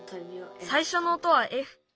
さいしょの音はＦ。